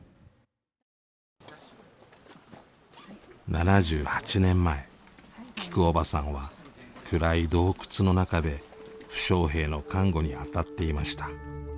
７８年前きくおばさんは暗い洞窟の中で負傷兵の看護に当たっていました。